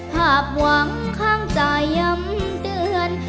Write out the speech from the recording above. ผากหวังข้างจ่ายยำเดือน